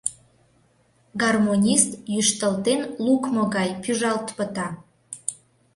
Гармонист йӱштылтен лукмо гай пӱжалт пыта.